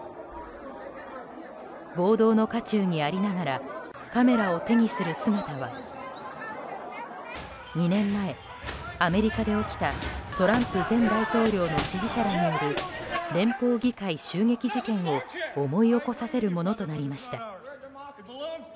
暴動の渦中にありながらカメラを手にする姿は２年前、アメリカで起きたトランプ前大統領の支持者らによる連邦議会襲撃事件を思い起こさせるものとなりました。